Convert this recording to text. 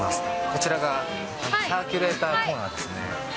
こちらがサーキュレーターコーナーです。